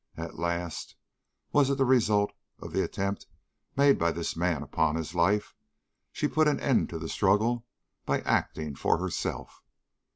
At last was it the result of the attempt made by this man upon his life? she put an end to the struggle by acting for herself.